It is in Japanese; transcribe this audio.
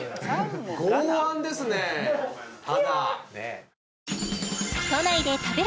剛腕ですねあら